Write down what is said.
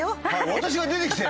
私が出てきて！